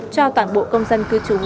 cho toàn bộ công dân cư trú